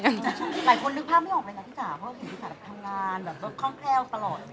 หลายคนนึกภาพไม่ออกเลยนะพี่จ๋าเพราะเราเห็นพี่จ๋าแบบทำงานแบบคล่องแคล่วตลอด